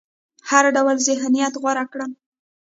هر ډول ذهنيت غوره کړم.